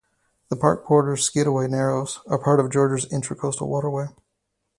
The park borders Skidaway narrows, a part of Georgia's intracoastal waterway.